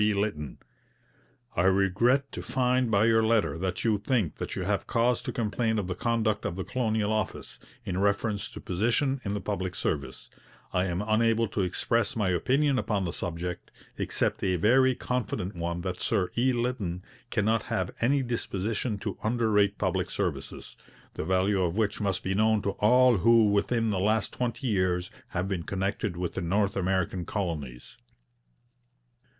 B. Lytton. 'I regret to find by your letter that you think that you have cause to complain of the conduct of the Colonial Office, in reference to position in the public service. ... I am unable to express any opinion upon the subject, except a very confident one that Sir E. Lytton cannot have any disposition to underrate public services, the value of which must be known to all who within the last twenty years have been connected with the North American Colonies.'